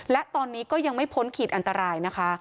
และตอนนี้ก็ยังไม่พ้นขีดอันตรายนะคะ